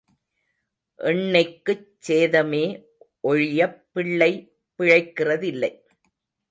எண்ணெய்க்குச் சேதமே ஒழியப் பிள்ளை பிழைக்கிறதில்லை.